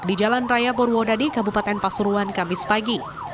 di jalan raya purwodadi kabupaten pasuruan kamis pagi